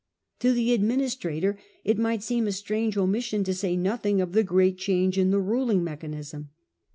To the administrator it might seem a strange omission to say nothing of the great change in the ruling mechanism.